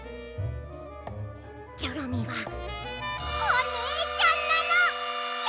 チョロミーはおねえちゃんなのよ！